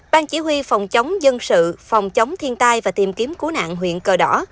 ban chỉ huy phòng chống dân sự phòng chống thiên tai và tìm kiếm cứu nạn huyện cờ đỏ